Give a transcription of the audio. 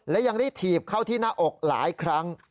และยังได้ถีบเข้าที่หน้าอกหลายครั้ง